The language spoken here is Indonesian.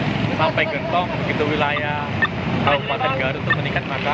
dan mulai dari ciawi sampai gentong begitu wilayah kabupaten garut meningkat maka